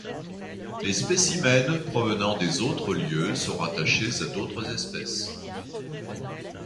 Les spécimens provenant des autres lieux sont rattachés à d'autres espèces.